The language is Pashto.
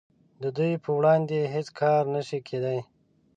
د دوی په وړاندې هیڅ کار نشي کیدای